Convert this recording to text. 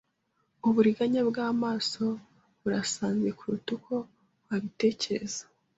Uburiganya bwamasomo burasanzwe kuruta uko wabitekereza.